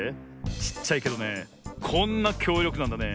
ちっちゃいけどねこんなきょうりょくなんだね。